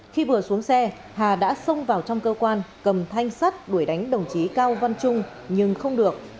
khi vừa xuống xe hà đã xông vào trong cơ quan cầm thanh sắt đuổi đánh đồng chí cao văn trung nhưng không được